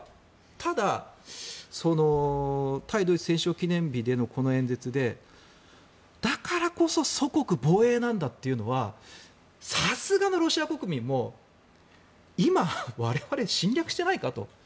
ただ、対ドイツ戦勝記念日でのこの演説でだからこそ祖国防衛なんだというのはさすがのロシア国民も今、我々侵略してないか？と。